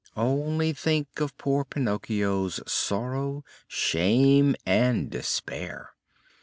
Only think of poor Pinocchio's sorrow, shame and despair!